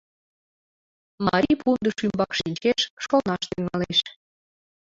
Марий пундыш ӱмбак шинчеш, шонаш тӱҥалеш.